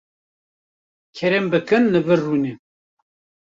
Kerem bikin, li vir rûnin.